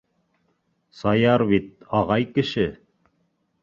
Саяр бит... ағай кеше!